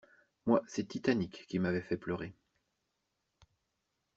Moi c'est Titanic qui m'avait fait pleurer.